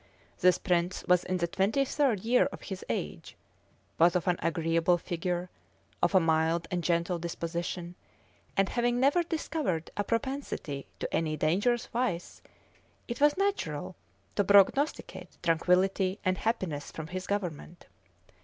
This prince was in the twenty third year of his age, was of an agreeable figure, of a mild and gentle disposition, and having never discovered a propensity to any dangerous vice, it was natural to prognosticate tranquillity and happiness from his government.